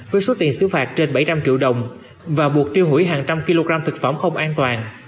với số tiền xứ phạt trên bảy trăm linh triệu đồng và buộc tiêu hủy hàng trăm kg thực phẩm không an toàn